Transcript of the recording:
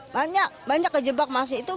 banyak banyak kejebak masih itu